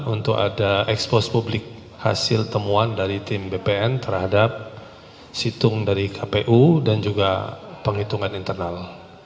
untuk ada ekspos publik hasil temuan dari tim bpn terhadap situng dari kpu dan juga penghitungan internal